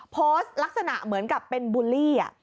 โพสต์ลักษณะเหมือนกับเป็นบูลลี่